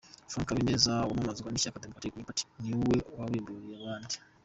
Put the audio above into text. Franck Habineza wamamazwa n'ishyaka Democratic Green Party ni we wabimburiye abandi.